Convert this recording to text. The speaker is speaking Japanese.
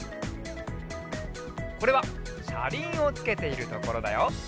これはしゃりんをつけているところだよ。